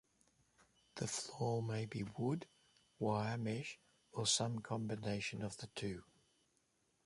The floor may be wood, wire mesh, or some combination of the two.